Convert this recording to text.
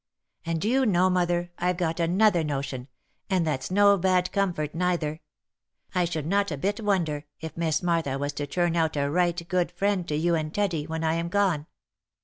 And do you know, mother, I've got another notion, and that's no bad comfort neither. I should not a bit wonder, if Miss Martha was to turn out a right good friend to you and Teddy, when I am gone."